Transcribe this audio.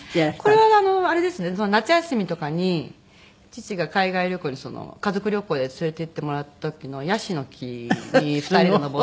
これはあれですね夏休みとかに父が海外旅行に家族旅行で連れていってもらった時のヤシの木に２人で登って。